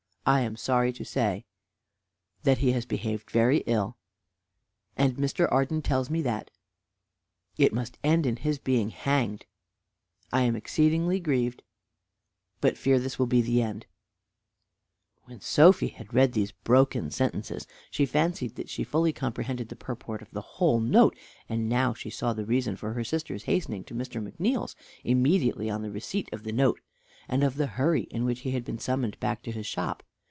I am sorry to say that he has behaved very ill And Mr. Arden tells me that it must end in his being hanged I am exceedingly grieved but fear this will be the end When Sophy had read these broken sentences she fancied that she fully comprehended the purport of the whole note, and she now saw the reason of her sister's hastening to Mr. McNeal's immediately on the receipt of the note, and of the hurry in which he had been summoned back to his shop.